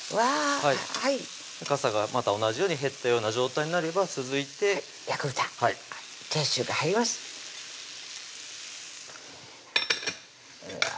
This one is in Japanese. はいかさがまた同じように減ったような状態になれば続いて焼き豚はいチャーシューが入りますうわ